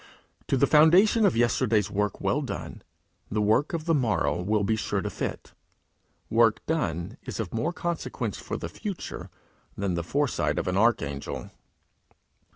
To the foundation of yesterday's work well done, the work of the morrow will be sure to fit. Work done is of more consequence for the future than the foresight of an archangel.